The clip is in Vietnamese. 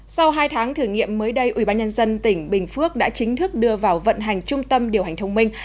sau hai tháng thử nghiệm mới đây ubnd tỉnh bình phước đã chính thức đưa vào vận hành trung tâm điều hành thông minh